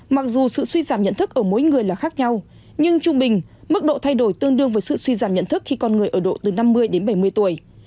mặc dù sự suy giảm nhận thức ở mỗi người là khác nhau nhưng trung bình mức độ thay đổi tương đương với sự suy giảm nhận thức khi con người ở độ từ năm mươi đến bảy mươi tuổi